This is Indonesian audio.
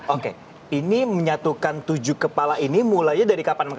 oke ini menyatukan tujuh kepala ini mulainya dari kapan